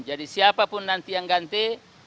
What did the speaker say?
jadi siapapun nanti yang ganti